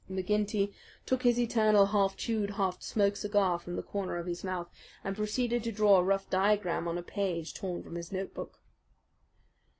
McGinty took his eternal half chewed, half smoked cigar from the corner of his mouth, and proceeded to draw a rough diagram on a page torn from his notebook.